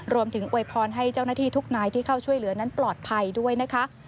อวยพรให้เจ้าหน้าที่ทุกนายที่เข้าช่วยเหลือนั้นปลอดภัยด้วยนะคะ